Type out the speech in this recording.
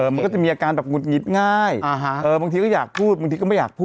มันก็จะมีอาการแบบหงุดหงิดง่ายบางทีก็อยากพูดบางทีก็ไม่อยากพูด